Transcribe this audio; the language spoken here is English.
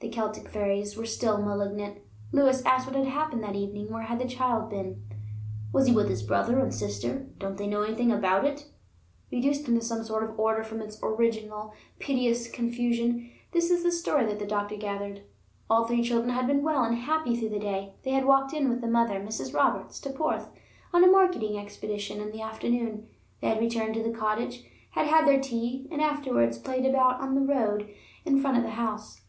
The Celtic fairies are still malignant. Lewis asked what had happened that evening; where had the child been? "Was he with his brother and sister? Don't they know anything about it?" Reduced into some sort of order from its original piteous confusion, this is the story that the doctor gathered. All three children had been well and happy through the day. They had walked in with the mother, Mrs. Roberts, to Porth on a marketing expedition in the afternoon; they had returned to the cottage, had had their tea, and afterwards played about on the road in front of the house.